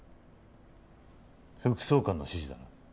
副総監の指示だな？